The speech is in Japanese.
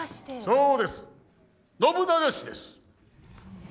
そうです信長氏です。